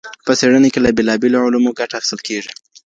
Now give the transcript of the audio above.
په څېړنه کې له بېلابېلو علومو ګټه اخیستل کیږي.